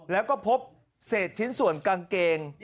แล้วก็พบเศษชิ้นส่วนกางเกง